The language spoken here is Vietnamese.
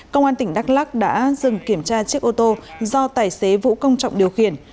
công an tỉnh đắk lắc đã dừng kiểm tra chiếc ô tô do tài xế vũ công trọng điều khiển